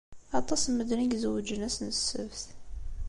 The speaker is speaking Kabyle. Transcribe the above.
Aṭas n medden i izewwǧen ass n ssebt.